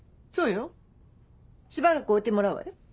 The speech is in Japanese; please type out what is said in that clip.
そうよしばらく置いてもらうわよ。